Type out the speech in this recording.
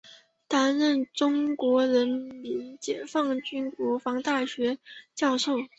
担任中国人民解放军国防大学教授。